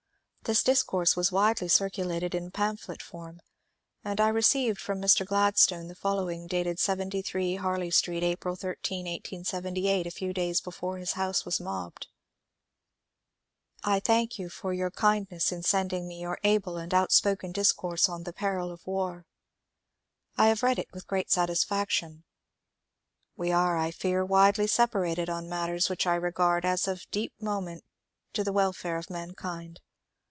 This disooarse was widely circulated in pamphlet form, and I received from Mr. Gladstone the following, dated 73 Ebwley Street, April 13, 1878, a few days before his house was mobbed :— I thank you for your kindness in sending me your able and outspoken discourse on ^^ The Peril of War." I have read it with great satisfaction. We are, I fear, widely separated on matters which I regard as of deep moment to the welfare of mankind.